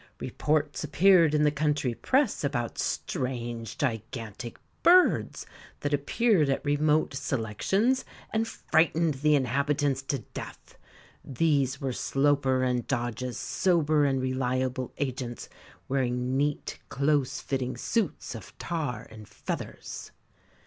Reports appeared in the country press about strange, gigantic birds that appeared at remote selections and frightened the inhabitants to death these were Sloper and Dodge's sober and reliable agents, wearing neat, close fitting suits of tar and feathers.